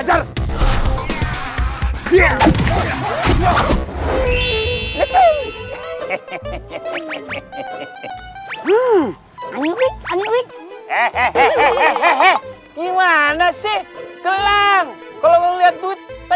kalau dia sedang diatur karena kebanyakan wanita